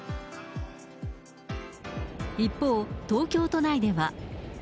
一方、東京都内では。